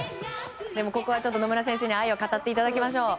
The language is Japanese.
でも、ここは野村先生に愛を語っていただきましょう。